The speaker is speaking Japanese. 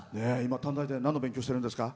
短大で何の勉強してるんですか？